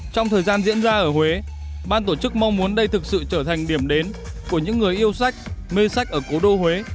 trong thời gian diễn ra ở huế ban tổ chức mong muốn đây thực sự trở thành điểm đến của những người yêu sách mê sách ở cố đô huế